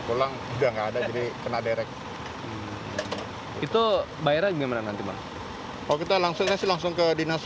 pulang udah enggak ada jadi kena derek itu bayarnya gimana nanti kalau kita langsung kasih langsung ke dinas